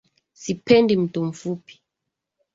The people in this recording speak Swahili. Sipendi mtu mfupi